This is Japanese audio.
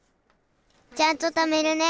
ちゃんとためるね。